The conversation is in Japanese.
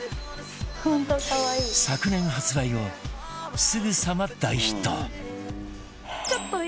昨年発売後すぐさま大ヒット